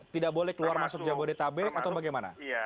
tidak boleh keluar masuk jabodetabek atau bagaimana